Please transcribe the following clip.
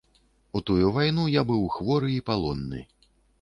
У тую вайну я быў хворы і палонны.